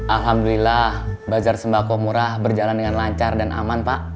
alhamdulillah bazar sembako murah berjalan dengan lancar dan aman pak